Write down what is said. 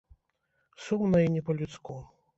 Сумна і не па-людску.